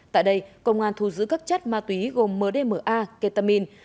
tại đây công an thu giữ các chất ma túy gồm mdma ketamin